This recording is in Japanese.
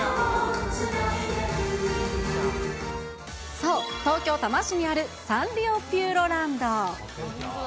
そう、東京・多摩市にあるサンリオピューロランド。